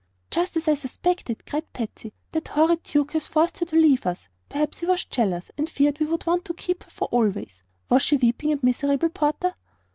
"Just as I suspected!" cried Patsy. "That horrid duke has forced her to leave us. Perhaps he was jealous, and feared we would want to keep her always. Was she weeping and miserable, porter?"